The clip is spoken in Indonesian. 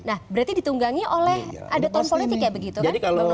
nah berarti ditunggangi oleh ada tone politik ya begitu kan